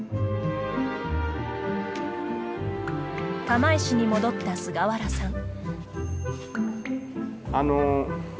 釜石に戻った菅原さん。